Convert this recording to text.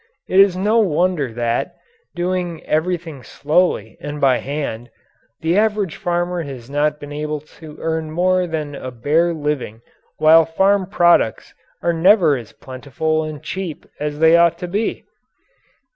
It is no wonder that, doing everything slowly and by hand, the average farmer has not been able to earn more than a bare living while farm products are never as plentiful and cheap as they ought to be.